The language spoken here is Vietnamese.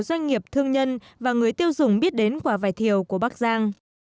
doanh nghiệp thương nhân và người tiêu dùng biết đến quả vải thiều của bắc giang